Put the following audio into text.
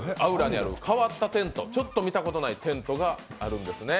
ＡＵＲＡにある変わったテント、ちょっと見たことないテントがあるんですね。